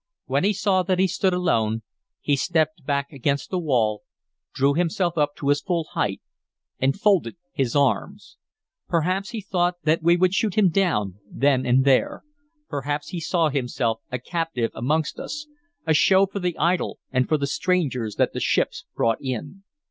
When he saw that he stood alone, he stepped back against the wall, drew himself up to his full height, and folded his arms. Perhaps he thought that we would shoot him down then and there; perhaps he saw himself a captive amongst us, a show for the idle and for the strangers that the ships brought in.